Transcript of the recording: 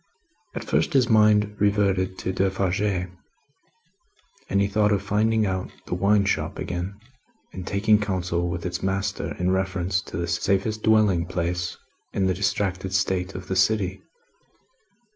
At first, his mind reverted to Defarge, and he thought of finding out the wine shop again and taking counsel with its master in reference to the safest dwelling place in the distracted state of the city.